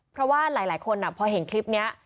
เพราะว่าหลายคนพอเห็นคลิปนี้